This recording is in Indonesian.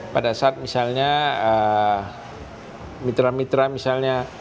pada saat misalnya mitra mitra misalnya